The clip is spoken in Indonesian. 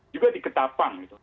juga diketapang gitu